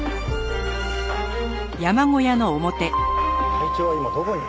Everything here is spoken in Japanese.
隊長は今どこに？